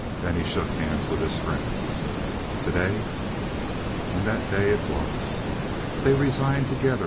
Then he shook hands with his friends. "Today!" And that day it was. They resigned, together.